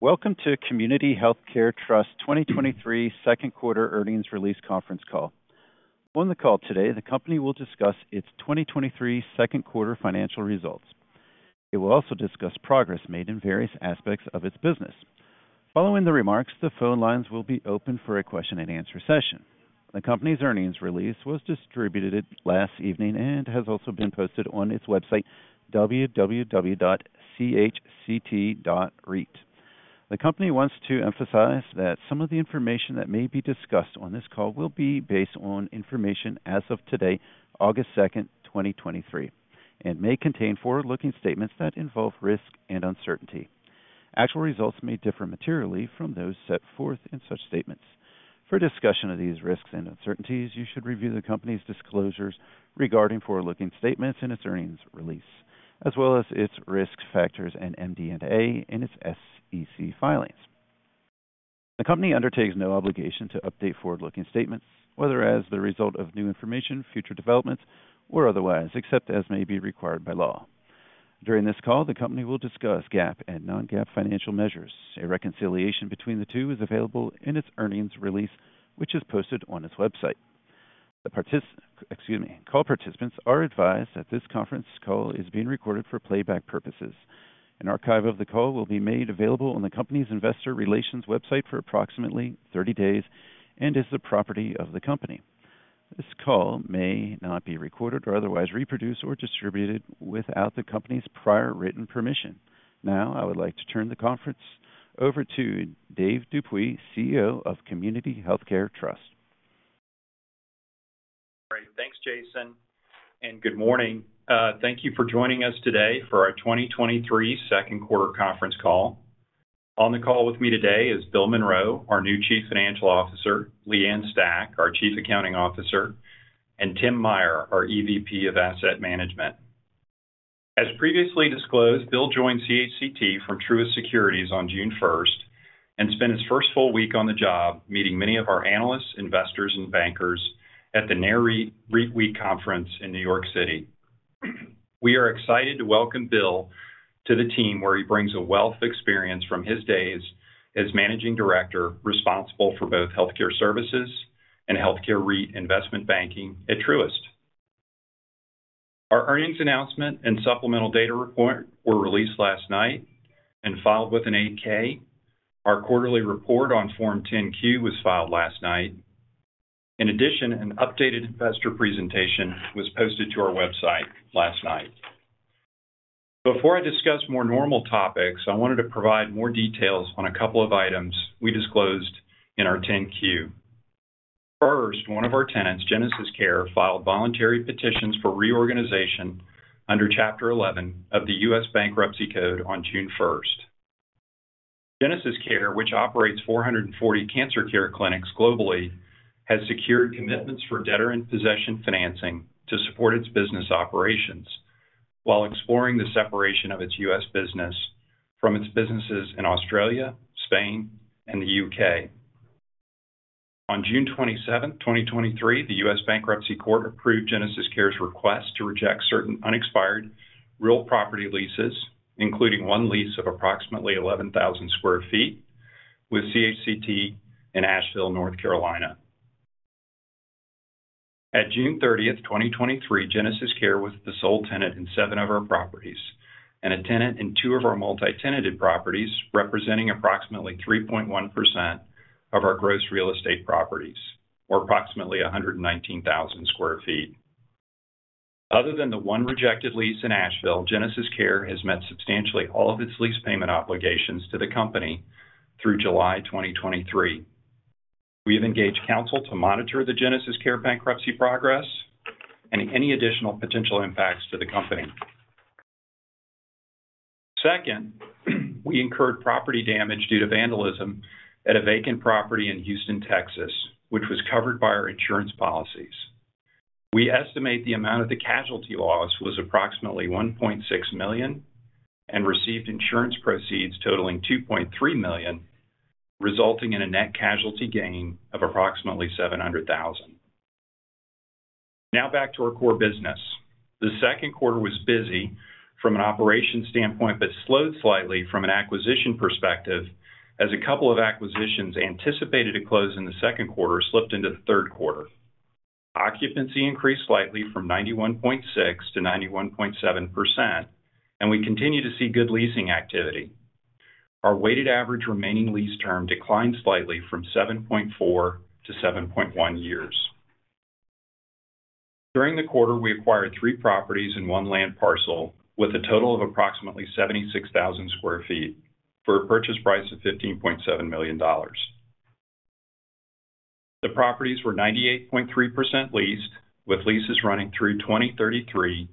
Welcome to Community Healthcare Trust 2023 second quarter earnings release conference call. On the call today, the company will discuss its 2023 second quarter financial results. It will also discuss progress made in various aspects of its business. Following the remarks, the phone lines will be open for a question-and-answer session. The company's earnings release was distributed last evening and has also been posted on its website, www.chct.reit. The company wants to emphasize that some of the information that may be discussed on this call will be based on information as of today, August 2nd, 2023, and may contain forward-looking statements that involve risk and uncertainty. Actual results may differ materially from those set forth in such statements. For a discussion of these risks and uncertainties, you should review the company's disclosures regarding forward-looking statements in its earnings release, as well as its risk factors and MD&A in its SEC filings. The company undertakes no obligation to update forward-looking statements, whether as the result of new information, future developments, or otherwise, except as may be required by law. During this call, the company will discuss GAAP and non-GAAP financial measures. A reconciliation between the two is available in its earnings release, which is posted on its website. Excuse me, call participants are advised that this conference call is being recorded for playback purposes. An archive of the call will be made available on the company's investor relations website for approximately 30 days and is the property of the company. This call may not be recorded or otherwise reproduced or distributed without the company's prior written permission. Now, I would like to turn the conference over to Dave Dupuy, CEO of Community Healthcare Trust. Great. Thanks, Jason. Good morning. Thank you for joining us today for our 2023 second quarter conference call. On the call with me today is Bill Monroe, our new Chief Financial Officer, Leigh Ann Stach, our Chief Accounting Officer, and Tim Meyer, our EVP of Asset Management. As previously disclosed, Bill joined CHCT from Truist Securities on June 1st, and spent his first full week on the job meeting many of our analysts, investors, and bankers at the Nareit REITweek conference in New York City. We are excited to welcome Bill to the team, where he brings a wealth of experience from his days as managing director, responsible for both healthcare services and healthcare REIT investment banking at Truist. Our earnings announcement and supplemental data report were released last night and filed with an 8-K. Our quarterly report on Form 10-Q was filed last night. In addition, an updated investor presentation was posted to our website last night. Before I discuss more normal topics, I wanted to provide more details on a couple of items we disclosed in our 10-Q. First, one of our tenants, GenesisCare, filed voluntary petitions for reorganization under Chapter 11 of the U.S. Bankruptcy Code on June 1st. GenesisCare, which operates 440 cancer care clinics globally, has secured commitments for debtor-in-possession financing to support its business operations while exploring the separation of its U.S. business from its businesses in Australia, Spain, and the U.K. On June 27th, 2023, the U.S. Bankruptcy Court approved GenesisCare's request to reject certain unexpired real property leases, including one lease of approximately 11,000 sq ft with CHCT in Asheville, North Carolina. At June 30th, 2023, GenesisCare was the sole tenant in seven of our properties and a tenant in two of our multi-tenanted properties, representing approximately 3.1% of our gross real estate properties, or approximately 119,000 sq ft. Other than the one rejected lease in Asheville, GenesisCare has met substantially all of its lease payment obligations to the company through July 2023. We have engaged counsel to monitor the GenesisCare bankruptcy progress and any additional potential impacts to the company. Second, we incurred property damage due to vandalism at a vacant property in Houston, Texas, which was covered by our insurance policies. We estimate the amount of the casualty loss was approximately $1.6 million and received insurance proceeds totaling $2.3 million, resulting in a net casualty gain of approximately $700,000. Now, back to our core business. The second quarter was busy from an operation standpoint, but slowed slightly from an acquisition perspective, as a couple of acquisitions anticipated to close in the second quarter slipped into the third quarter. Occupancy increased slightly from 91.6% to 91.7%, and we continue to see good leasing activity. Our weighted average remaining lease term declined slightly from 7.4 to 7.1 years. During the quarter, we acquired 3 properties and 1 land parcel with a total of approximately 76,000 sq ft for a purchase price of $15.7 million. The properties were 98.3% leased, with leases running through 2033,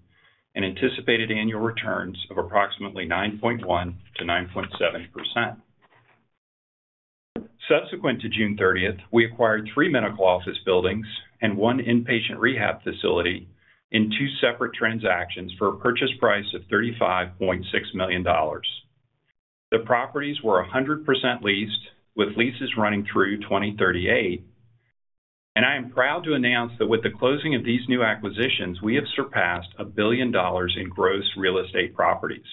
and anticipated annual returns of approximately 9.1%-9.7%. Subsequent to June 30th, we acquired 3 medical office buildings and 1 inpatient rehab facility in 2 separate transactions for a purchase price of $35.6 million. The properties were 100% leased, with leases running through 2038, I am proud to announce that with the closing of these new acquisitions, we have surpassed $1 billion in gross real estate properties.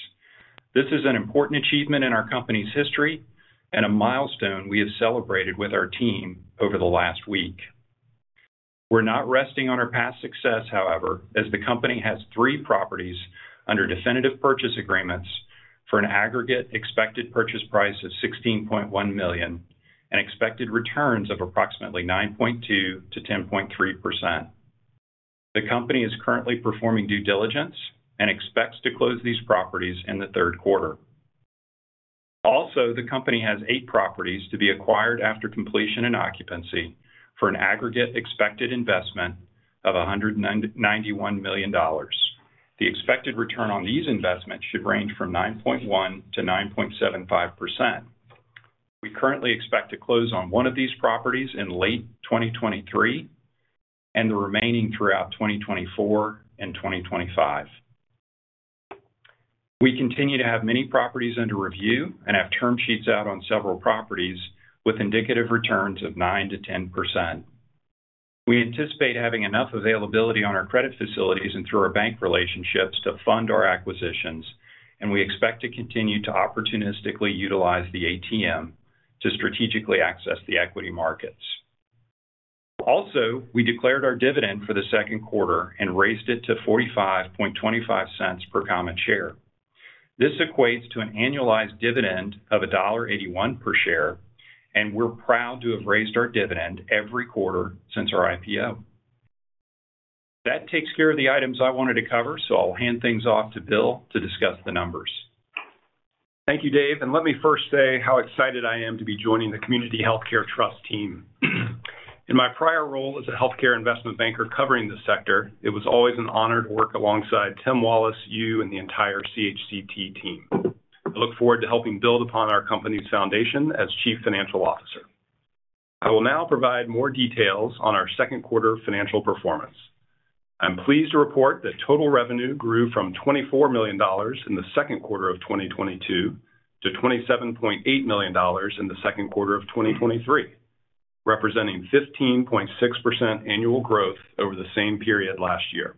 This is an important achievement in our company's history and a milestone we have celebrated with our team over the last week. We're not resting on our past success, however, as the company has 3 properties under definitive purchase agreements for an aggregate expected purchase price of $16.1 million, and expected returns of approximately 9.2%-10.3%. The company is currently performing due diligence and expects to close these properties in the third quarter. The company has eight properties to be acquired after completion and occupancy for an aggregate expected investment of $191 million. The expected return on these investments should range from 9.1%-9.75%. We currently expect to close on one of these properties in late 2023, and the remaining throughout 2024 and 2025. We continue to have many properties under review and have term sheets out on several properties with indicative returns of 9%-10%. We anticipate having enough availability on our credit facilities and through our bank relationships to fund our acquisitions, and we expect to continue to opportunistically utilize the ATM to strategically access the equity markets. We declared our dividend for the second quarter and raised it to $0.4525 per common share. This equates to an annualized dividend of $1.81 per share. We're proud to have raised our dividend every quarter since our IPO. That takes care of the items I wanted to cover. I'll hand things off to Bill to discuss the numbers. Thank you, Dave, and let me first say how excited I am to be joining the Community Healthcare Trust team. In my prior role as a healthcare investment banker covering the sector, it was always an honor to work alongside Tim Wallace, you, and the entire CHCT team. I look forward to helping build upon our company's foundation as Chief Financial Officer. I will now provide more details on our second quarter financial performance. I'm pleased to report that total revenue grew from $24 million in the second quarter of 2022 to $27.8 million in the second quarter of 2023, representing 15.6% annual growth over the same period last year.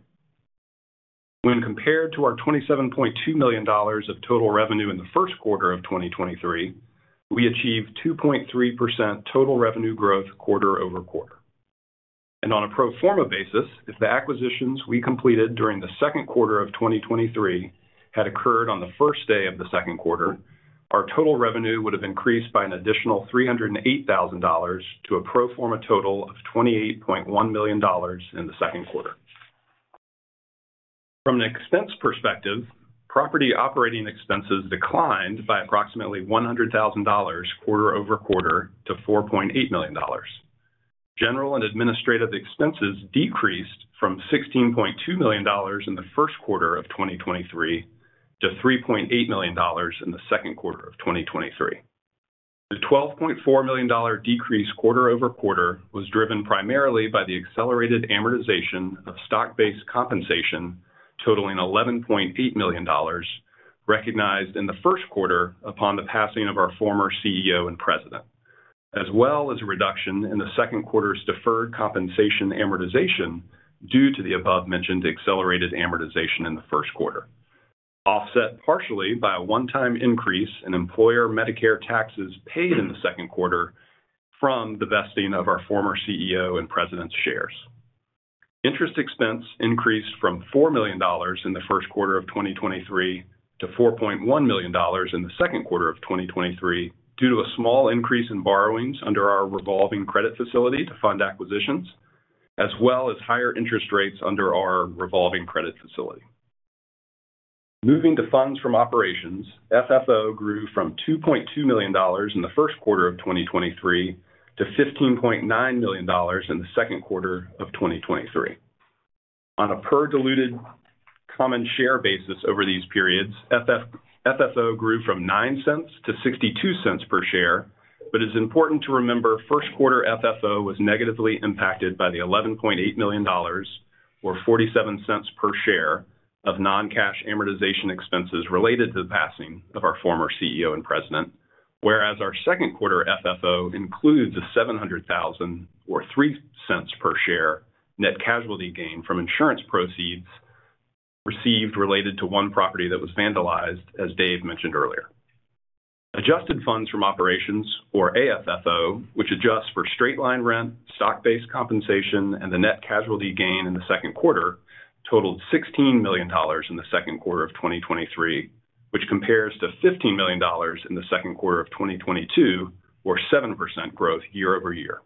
When compared to our $27.2 million of total revenue in the first quarter of 2023, we achieved 2.3% total revenue growth quarter-over-quarter. On a pro forma basis, if the acquisitions we completed during the second quarter of 2023 had occurred on the first day of the second quarter, our total revenue would have increased by an additional $308,000 to a pro forma total of $28.1 million in the second quarter. From an expense perspective, property operating expenses declined by approximately $100,000 quarter-over-quarter to $4.8 million. General and administrative expenses decreased from $16.2 million in the first quarter of 2023 to $3.8 million in the second quarter of 2023. The $12.4 million decrease quarter-over-quarter was driven primarily by the accelerated amortization of stock-based compensation, totaling $11.8 million, recognized in the first quarter upon the passing of our former CEO and president, as well as a reduction in the second quarter's deferred compensation amortization due to the above-mentioned accelerated amortization in the first quarter, offset partially by a one-time increase in employer Medicare taxes paid in the second quarter from the vesting of our former CEO and president's shares. Interest expense increased from $4 million in the first quarter of 2023 to $4.1 million in the second quarter of 2023, due to a small increase in borrowings under our revolving credit facility to fund acquisitions, as well as higher interest rates under our revolving credit facility. Moving to funds from operations, FFO grew from $2.2 million in the first quarter of 2023 to $15.9 million in the second quarter of 2023. On a per diluted common share basis over these periods, FFO grew from $0.09 to $0.62 per share. It's important to remember first quarter FFO was negatively impacted by the $11.8 million, or $0.47 per share, of non-cash amortization expenses related to the passing of our former CEO and President. Whereas our second quarter FFO includes a $700,000, or $0.03 per share, net casualty gain from insurance proceeds received related to one property that was vandalized, as Dave mentioned earlier. Adjusted funds from operations, or AFFO, which adjusts for straight-line rent, stock-based compensation, and the net casualty gain in the second quarter, totaled $16 million in the second quarter of 2023, which compares to $15 million in the second quarter of 2022, or 7% growth year-over-year.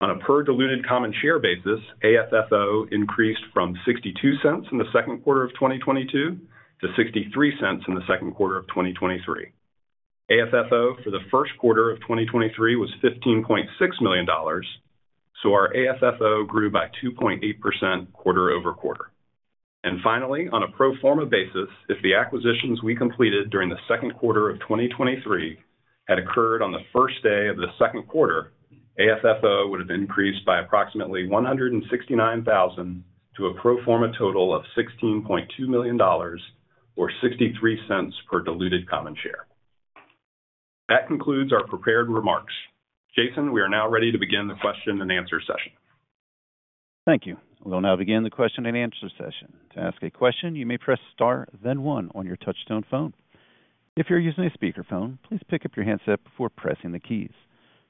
On a per diluted common share basis, AFFO increased from $0.62 in the second quarter of 2022 to $0.63 in the second quarter of 2023. AFFO for the first quarter of 2023 was $15.6 million. Our AFFO grew by 2.8% quarter-over-quarter. Finally, on a pro forma basis, if the acquisitions we completed during the second quarter of 2023 had occurred on the first day of the second quarter, AFFO would have increased by approximately $169,000 to a pro forma total of $16.2 million, or $0.63 per diluted common share. That concludes our prepared remarks. Jason, we are now ready to begin the question-and-answer session. Thank you. We'll now begin the question-and-answer session. To ask a question, you may press Star, then One on your touchtone phone. If you're using a speakerphone, please pick up your handset before pressing the keys.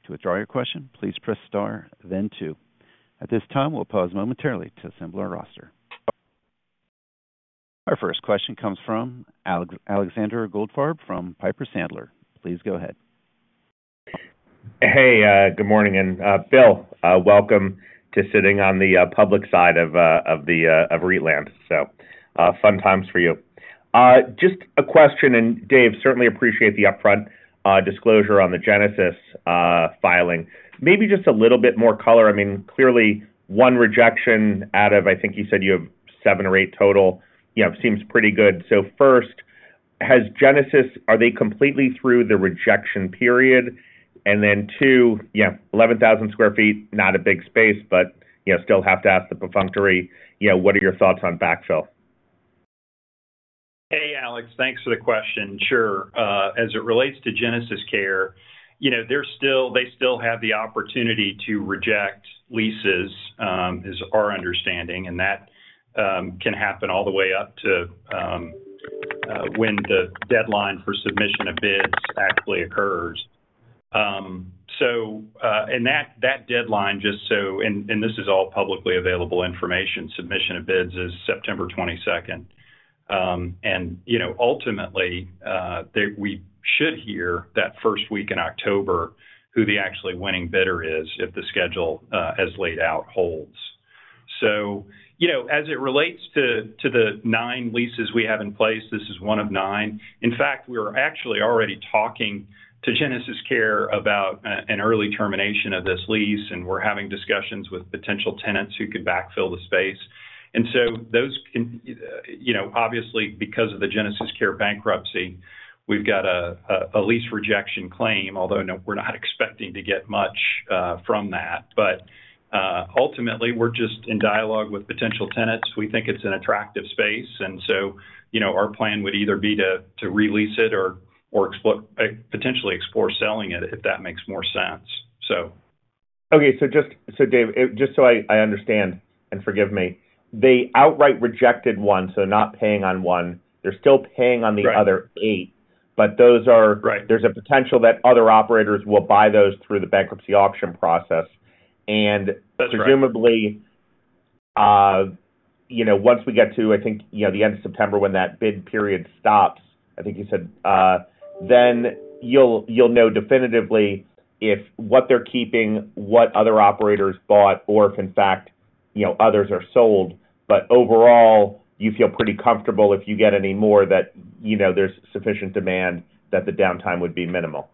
To withdraw your question, please press Star, then Two. At this time, we'll pause momentarily to assemble our roster. Our first question comes from Alexander Goldfarb from Piper Sandler. Please go ahead. Hey, good morning. Bill, welcome to sitting on the public side of the of REIT Land. Fun times for you. Just a question, and Dave, certainly appreciate the upfront disclosure on the Genesis filing. Maybe just a little bit more color. I mean, clearly, 1 rejection out of, I think you said you have 7 or 8 total, you know, seems pretty good. First, has Genesis, are they completely through the rejection period? Then 2, yeah, 11,000 sq ft, not a big space, but, you know, still have to ask the perfunctory, you know, what are your thoughts on backfill? Hey, Alex, thanks for the question. Sure. As it relates to GenesisCare, you know, they still have the opportunity to reject leases, is our understanding, and that can happen all the way up to when the deadline for submission of bids actually occurs. That, that deadline, just so... this is all publicly available information, submission of bids is September 22nd. You know, ultimately, we should hear that first week in October, who the actually winning bidder is, if the schedule as laid out, holds. You know, as it relates to, to the nine leases we have in place, this is one of nine. In fact, we are actually already talking to GenesisCare about an early termination of this lease, and we're having discussions with potential tenants who could backfill the space. Those can, you know, obviously, because of the GenesisCare bankruptcy, we've got a lease rejection claim, although, no, we're not expecting to get much from that. Ultimately, we're just in dialogue with potential tenants. We think it's an attractive space, and so, you know, our plan would either be to release it or potentially explore selling it if that makes more sense. Okay. Dave, just so I, I understand, and forgive me, they outright rejected 1, so not paying on 1. They're still paying on the- Right. -other 8, but those are- Right. There's a potential that other operators will buy those through the bankruptcy auction process. That's right. presumably, you know, once we get to, I think, you know, the end of September, when that bid period stops, I think you said, then you'll, you'll know definitively if what they're keeping, what other operators bought, or if, in fact, you know, others are sold. Overall, you feel pretty comfortable if you get any more, that, you know, there's sufficient demand, that the downtime would be minimal.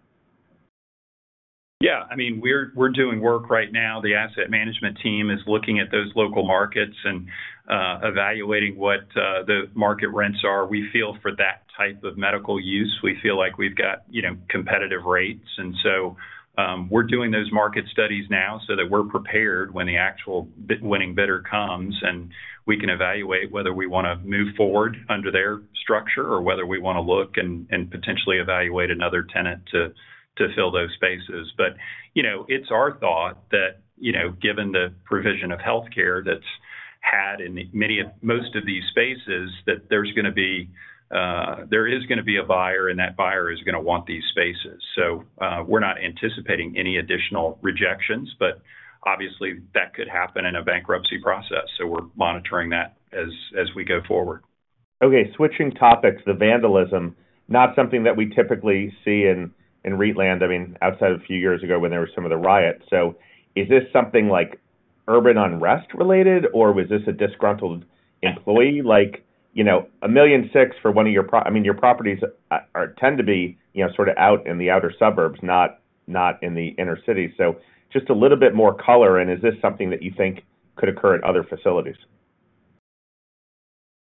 Yeah. I mean, we're, we're doing work right now. The asset management team is looking at those local markets and evaluating what the market rents are. We feel for that type of medical use, we feel like we've got, you know, competitive rates. We're doing those market studies now so that we're prepared when the actual winning bidder comes, and we can evaluate whether we wanna move forward under their structure or whether we wanna look and, and potentially evaluate another tenant to, to fill those spaces. You know, it's our thought that, you know, given the provision of healthcare that's had in most of these spaces, that there's gonna be, there is gonna be a buyer, and that buyer is gonna want these spaces. We're not anticipating any additional rejections, but obviously, that could happen in a bankruptcy process, so we're monitoring that as we go forward. Okay, switching topics. The vandalism, not something that we typically see in, in REIT Land, I mean, outside of a few years ago when there were some of the riots. Is this something like urban unrest related, or was this a disgruntled employee? You know, $1.6 million for one of your I mean, your properties, tend to be, you know, sort of out in the outer suburbs, not, not in the inner city. Just a little bit more color, and is this something that you think could occur in other facilities?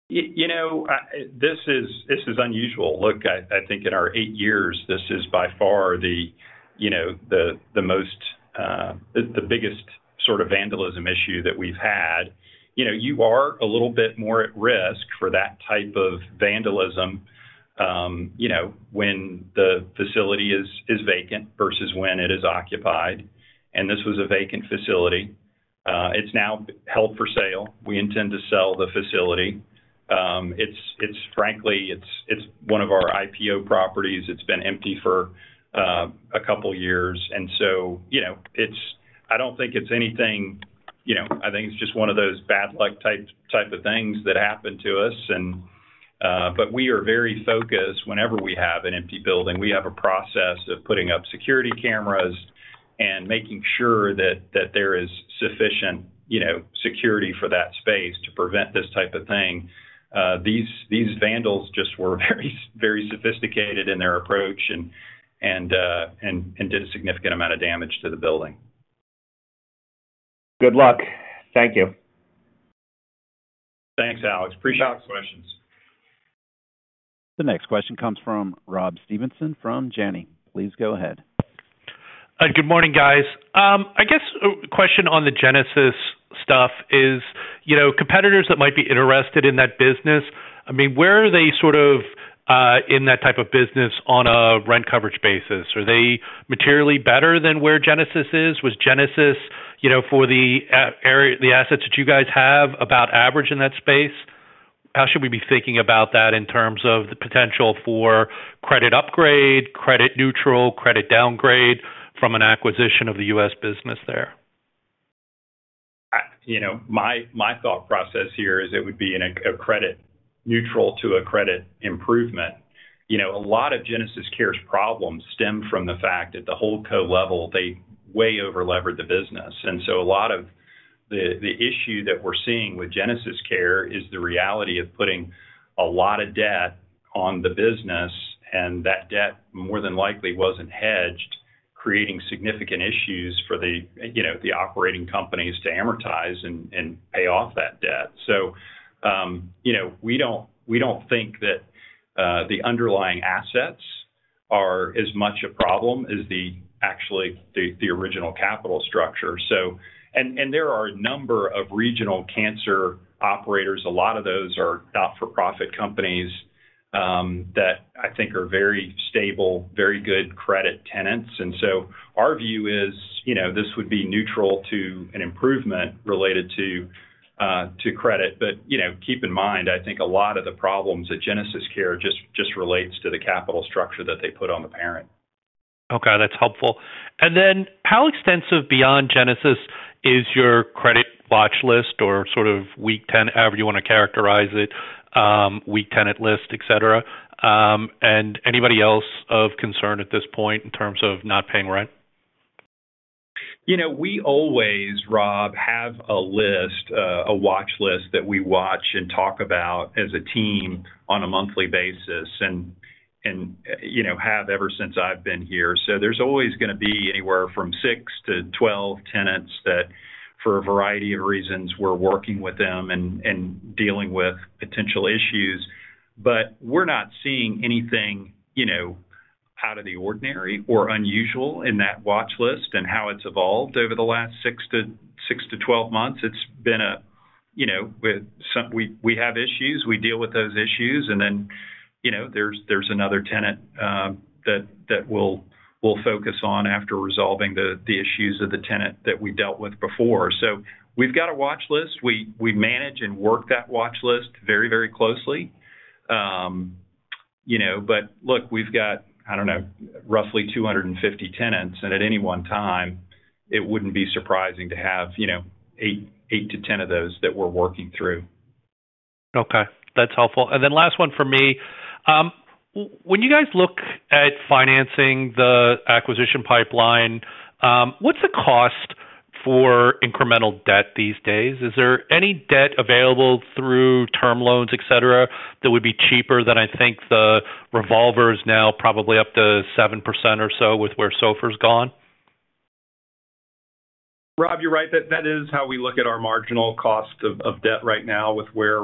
You know, this is, this is unusual. Look, I, I think in our eight years, this is by far the, you know, the, the most, the, the biggest sort of vandalism issue that we've had. You know, you are a little bit more at risk for that type of vandalism, you know, when the facility is, is vacant versus when it is occupied, and this was a vacant facility. It's now held for sale. We intend to sell the facility. It's, it's frankly, it's, it's one of our IPO properties. It's been empty for, 2 years, and so, you know, it's. I don't think it's anything. You know, I think it's just one of those bad luck type of things that happened to us and, but we are very focused. Whenever we have an empty building, we have a process of putting up security cameras and making sure that there is sufficient, you know, security for that space to prevent this type of thing. These, these vandals just were very, very sophisticated in their approach and did a significant amount of damage to the building. Good luck. Thank you. Thanks, Alex. Appreciate the questions. The next question comes from Robert Stevenson, from Janney. Please go ahead. Good morning, guys. I guess a question on the Genesis stuff is, you know, competitors that might be interested in that business, I mean, where are they sort of, in that type of business on a rent coverage basis? Are they materially better than where Genesis is? Was Genesis, you know, for the area-- the assets that you guys have, about average in that space? How should we be thinking about that in terms of the potential for credit upgrade, credit neutral, credit downgrade from an acquisition of the US business there? You know, my, my thought process here is it would be in a, a credit neutral to a credit improvement. You know, a lot of GenesisCare's problems stem from the fact that the holdco level, they way over-levered the business. So a lot of the, the issue that we're seeing with GenesisCare is the reality of putting a lot of debt on the business, and that debt, more than likely, wasn't hedged, creating significant issues for the, you know, the operating companies to amortize and, and pay off that debt. You know, we don't, we don't think that, the underlying assets are as much a problem as the, actually, the, the original capital structure. So. And there are a number of regional cancer operators. A lot of those are not-for-profit companies, that I think are very stable, very good credit tenants. Our view is, you know, this would be neutral to an improvement related to, to credit. You know, keep in mind, I think a lot of the problems at GenesisCare just, just relates to the capital structure that they put on the parent. Okay, that's helpful. Then, how extensive beyond Genesis is your credit watch list or sort of weak ten-- however you want to characterize it, weak tenant list, et cetera, and anybody else of concern at this point in terms of not paying rent? You know, we always, Rob, have a list, a watch list that we watch and talk about as a team on a monthly basis and, and, you know, have ever since I've been here. There's always gonna be anywhere from 6 to 12 tenants that, for a variety of reasons, we're working with them and, and dealing with potential issues. We're not seeing anything, you know, out of the ordinary or unusual in that watch list and how it's evolved over the last 6 to 12 months. It's been a, you know, we, we have issues, we deal with those issues, and then, you know, there's, there's another tenant that, that we'll, we'll focus on after resolving the, the issues of the tenant that we dealt with before. We've got a watch list. We, we manage and work that watch list very, very closely. You know, look, we've got, I don't know, roughly 250 tenants, and at any one time, it wouldn't be surprising to have, you know, 8-10 of those that we're working through. Okay, that's helpful. Then last one for me. When you guys look at financing the acquisition pipeline, what's the cost for incremental debt these days? Is there any debt available through term loans, et cetera, that would be cheaper than I think the revolver is now, probably up to 7% or so with where SOFR has gone? Rob, you're right. That, that is how we look at our marginal cost of, of debt right now with where,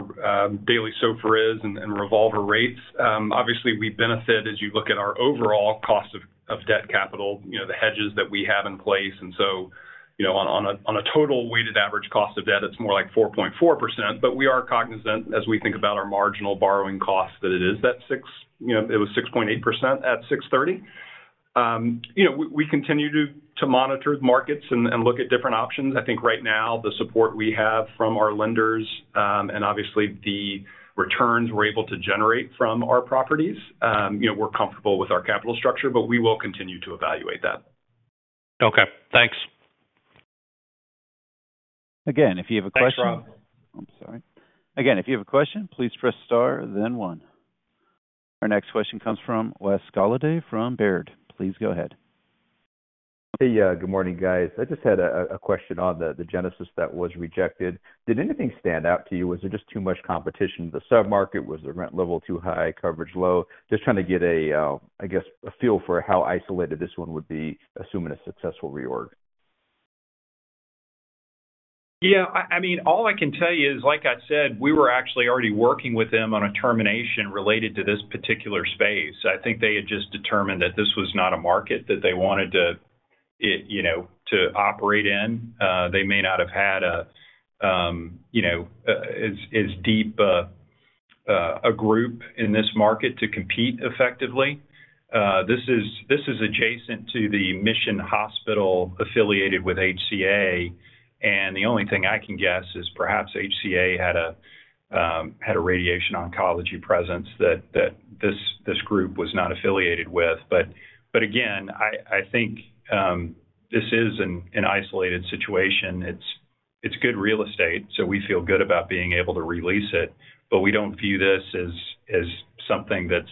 daily SOFR is and, and revolver rates. Obviously, we benefit as you look at our overall cost of, of debt capital, you know, the hedges that we have in place. So, you know, on a, on a total weighted average cost of debt, it's more like 4.4%. We are cognizant, as we think about our marginal borrowing costs, that it is that six, you know, it was 6.8% at 6/30. You know, we, we continue to, to monitor the markets and, and look at different options. I think right now, the support we have from our lenders, and obviously, the returns we're able to generate from our properties, you know, we're comfortable with our capital structure, but we will continue to evaluate that. Okay, thanks. Again, if you have a question. Thanks, Rob. I'm sorry. Again, if you have a question, please press Star, then One. Our next question comes from Wes Golladay from Baird. Please go ahead. Hey, good morning, guys. I just had a question on the Genesis that was rejected. Did anything stand out to you? Was there just too much competition in the sub-market? Was the rent level too high, coverage low? Just trying to get a feel for how isolated this one would be, assuming a successful reorg. Yeah, I, I mean, all I can tell you is, like I said, we were actually already working with them on a termination related to this particular space. I think they had just determined that this was not a market that they wanted to, you know, to operate in. They may not have had a, you know, as, as deep a group in this market to compete effectively. This is, this is adjacent to the Mission Hospital affiliated with HCA, and the only thing I can guess is perhaps HCA had a radiation oncology presence that, that this, this group was not affiliated with. Again, I, I think this is an, an isolated situation. It's, it's good real estate, so we feel good about being able to release it, but we don't view this as, as something that's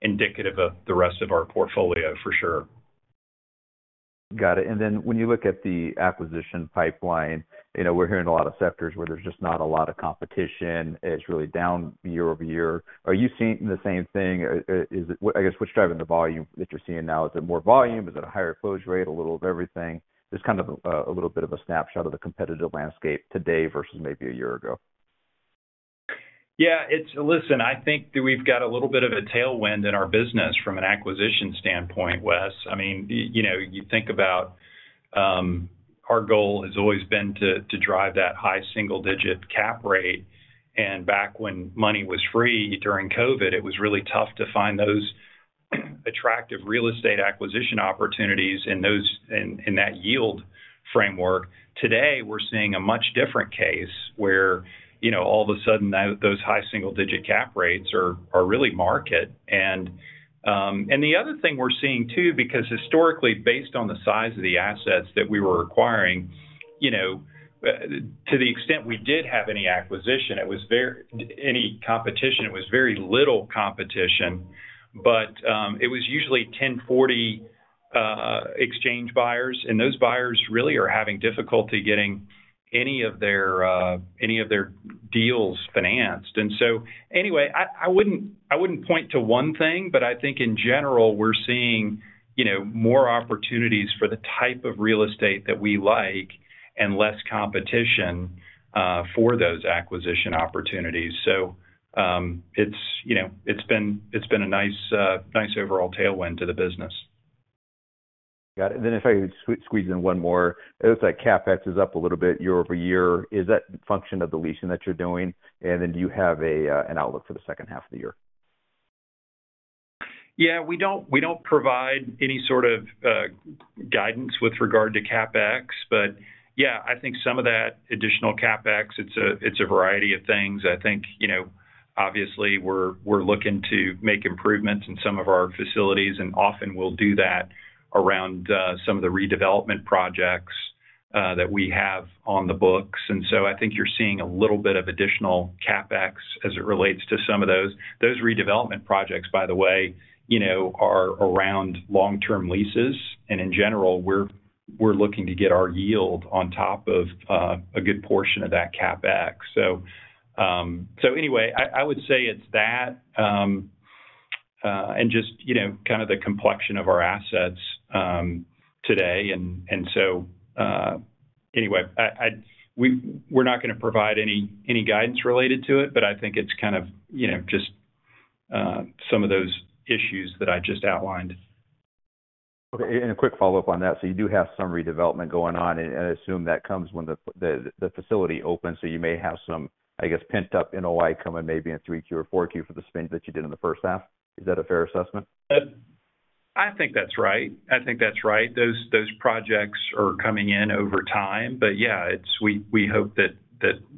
indicative of the rest of our portfolio for sure. Got it. Then when you look at the acquisition pipeline, you know, we're hearing a lot of sectors where there's just not a lot of competition. It's really down year-over-year. Are you seeing the same thing? I guess, what's driving the volume that you're seeing now? Is it more volume? Is it a higher closure rate, a little of everything? Just kind of a, a little bit of a snapshot of the competitive landscape today versus maybe a year ago. Yeah, listen, I think that we've got a little bit of a tailwind in our business from an acquisition standpoint, Wes. I mean, you know, you think about, our goal has always been to drive that high single-digit cap rate. Back when money was free during COVID, it was really tough to find those attractive real estate acquisition opportunities in that yield framework. Today, we're seeing a much different case, where, you know, all of a sudden, those high single-digit cap rates are really market. The other thing we're seeing, too, because historically, based on the size of the assets that we were acquiring, you know, to the extent we did have any acquisition, any competition, it was very little competition. It was usually 1031 exchange buyers, and those buyers really are having difficulty getting any of their deals financed. I wouldn't, I wouldn't point to one thing, but I think in general, we're seeing, you know, more opportunities for the type of real estate that we like and less competition for those acquisition opportunities. It's, you know, it's been, it's been a nice overall tailwind to the business. Got it. If I could squeeze in one more. It looks like CapEx is up a little bit year-over-year. Is that a function of the leasing that you're doing? Do you have an outlook for the second half of the year? Yeah, we don't, we don't provide any sort of guidance with regard to CapEx, but yeah, I think some of that additional CapEx, it's a, it's a variety of things. I think, you know, obviously, we're, we're looking to make improvements in some of our facilities, and often we'll do that around some of the redevelopment projects that we have on the books. I think you're seeing a little bit of additional CapEx as it relates to some of those. Those redevelopment projects, by the way, you know, are around long-term leases, and in general, we're, we're looking to get our yield on top of a good portion of that CapEx. Anyway, I, I would say it's that, and just, you know, kind of the complexion of our assets today. Anyway, I, I, we're not gonna provide any, any guidance related to it, but I think it's kind of, you know, just some of those issues that I just outlined. Okay, a quick follow-up on that. You do have some redevelopment going on, and I assume that comes when the facility opens, you may have some, I guess, pent-up NOI coming maybe in 3Q or 4Q for the spend that you did in the first half. Is that a fair assessment? I think that's right. I think that's right. Those, those projects are coming in over time. Yeah, it's... We hope that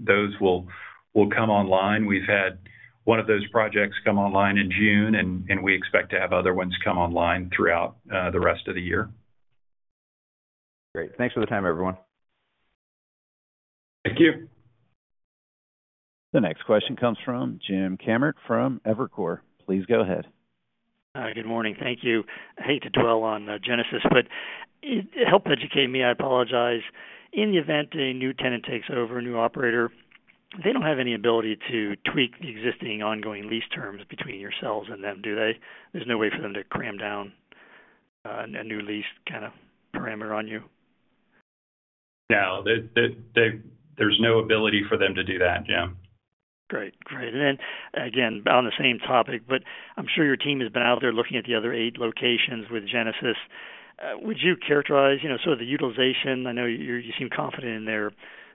those will come online. We've had one of those projects come online in June, and we expect to have other ones come online throughout the rest of the year. Great. Thanks for the time, everyone. Thank you. The next question comes from James Kammert from Evercore. Please go ahead. Good morning. Thank you. I hate to dwell on Genesis, but help educate me, I apologize. In the event a new tenant takes over, a new operator, they don't have any ability to tweak the existing ongoing lease terms between yourselves and them, do they? There's no way for them to cram down a new lease kind of parameter on you. No, there's no ability for them to do that, Jim. Great. Great. Then, again, on the same topic, but I'm sure your team has been out there looking at the other eight locations with Genesis. Would you characterize, you know, some of the utilization? I know you, you seem confident in their,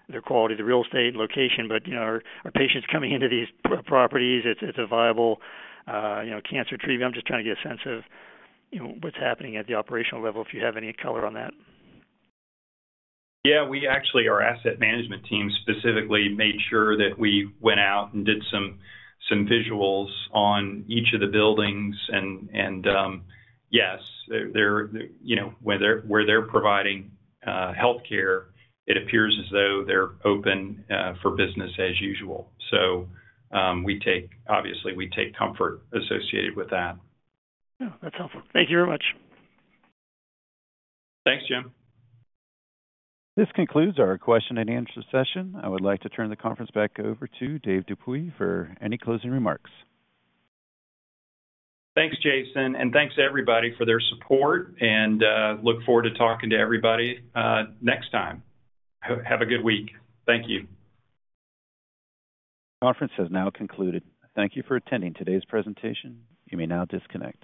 their quality, the real estate location, but, you know, are, are patients coming into these properties? It's, it's a viable, you know, cancer treatment. I'm just trying to get a sense of, you know, what's happening at the operational level, if you have any color on that. Yeah, we actually, our asset management team specifically made sure that we went out and did some, some visuals on each of the buildings. Yes, they're, they're, you know, where they're, where they're providing, healthcare, it appears as though they're open, for business as usual. Obviously, we take comfort associated with that. Yeah, that's helpful. Thank you very much. Thanks, Jim. This concludes our question and answer session. I would like to turn the conference back over to Dave Dupuy for any closing remarks. Thanks, Jason, and thanks to everybody for their support, and look forward to talking to everybody next time. Have a good week. Thank you. Conference has now concluded. Thank you for attending today's presentation. You may now disconnect.